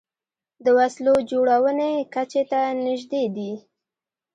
د وسلو جوړونې کچې ته نژدې دي